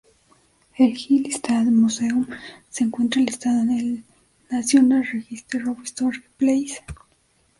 El "Hill-Stead Museum" se encuentra enlistado en el National Register of Historic Places.